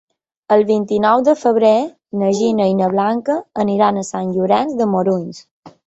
El vint-i-nou de febrer na Gina i na Blanca aniran a Sant Llorenç de Morunys.